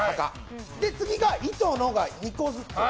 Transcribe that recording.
次が「井」と「野」が２個ずつ。